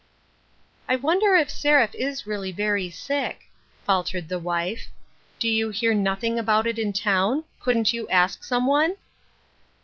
" I wonder if Seraph is really very sick," faltered the wife. " Do you hear nothing about it in town ? Couldn't you ask some one